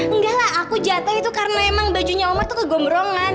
enggak lah aku jateng itu karena emang bajunya omar tuh kegombrongan